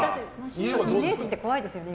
イメージって怖いですよね